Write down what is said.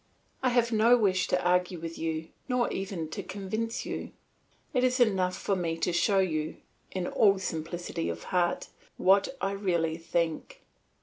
I have no wish to argue with you nor even to convince you; it is enough for me to show you, in all simplicity of heart, what I really think.